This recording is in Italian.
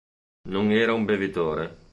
Non era un bevitore.